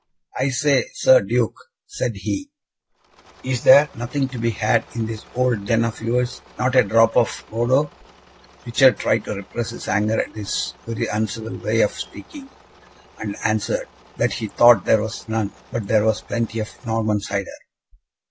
"I say, Sir Duke," said he, "is there nothing to be had in this old den of yours? Not a drop of Bordeaux?" Richard tried to repress his anger at this very uncivil way of speaking, and answered, that he thought there was none, but there was plenty of Norman cider.